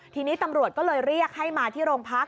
ทีนี้ตำรวจก็เลยเรียกให้มาที่โรงพัก